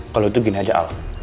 kalau itu gini aja al